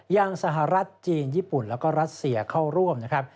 ยังสหรัฐจีนญี่ปุ่นแล้วก็รัสเซียเข้าร่วมนะครับ